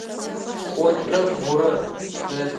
Тӏокӏырэ бгъурэ.